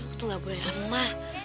aku tuh gak boleh lama